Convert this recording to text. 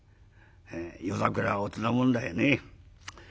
夜桜はおつなもんだよね」。